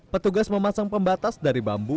petugas memasang pembatas dari bambu